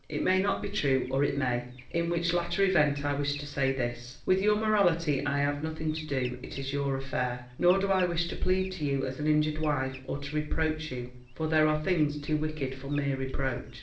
It may not be true or it may, in which latter event I wish to say this: With your morality I have nothing to do; it is your affair. Nor do I wish to plead to you as an injured wife or to reproach you, for there are things too wicked for mere reproach.